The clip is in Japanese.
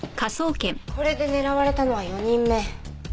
これで狙われたのは４人目。